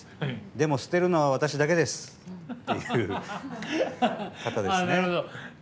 でも、捨てるのは私だけですっていう方ですね。